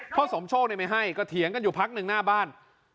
สมโชคไม่ให้ก็เถียงกันอยู่พักหนึ่งหน้าบ้าน